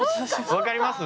わかります？